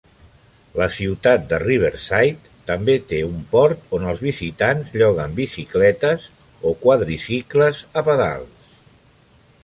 La ciutat de Riverside també té un port on els visitants lloguen bicicletes o quadricicles a pedals.